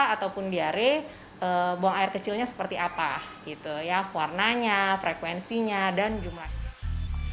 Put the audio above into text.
ataupun diare buang air kecilnya seperti apa gitu ya warnanya frekuensinya dan jumlahnya